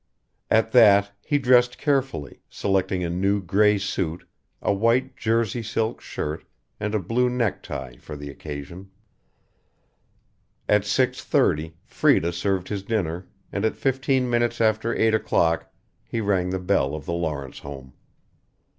At that, he dressed carefully, selecting a new gray suit, a white jersey silk shirt and a blue necktie for the occasion. At six thirty Freda served his dinner and at fifteen minutes after eight o'clock he rang the bell of the Lawrence home.